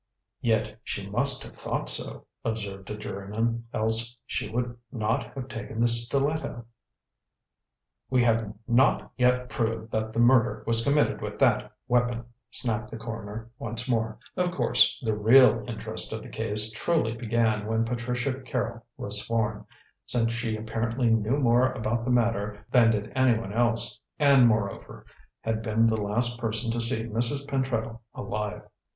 "Yet she must have thought so," observed a juryman, "else she would not have taken the stiletto." "We have not yet proved that the murder was committed with that weapon," snapped the coroner once more. Of course, the real interest of the case truly began when Patricia Carrol was sworn, since she apparently knew more about the matter than did anyone else, and, moreover, had been the last person to see Mrs. Pentreddle alive.